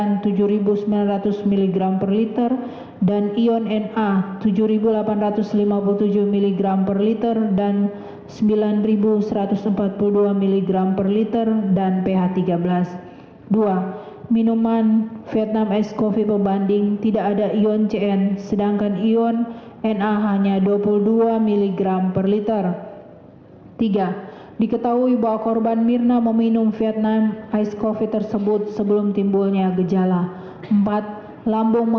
hal ini berdasar dan bersesuaian dengan keterangan ahli toksikologi forensik dr rednath imade agus gilgail wirasuta